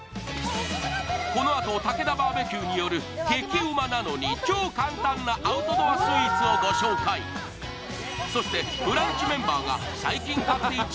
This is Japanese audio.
このあとたけだバーベキューによる激うまなのに超簡単なアウトドアスイーツをご紹介そしてブランチメンバーがオープン！